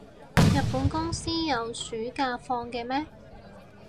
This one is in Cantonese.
日本公司有暑假放嘅咩？